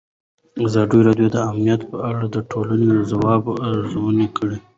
ازادي راډیو د امنیت په اړه د ټولنې د ځواب ارزونه کړې.